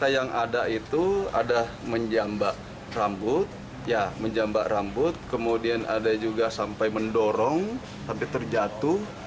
yang ada itu ada menjambak rambut menjambak rambut kemudian ada juga sampai mendorong sampai terjatuh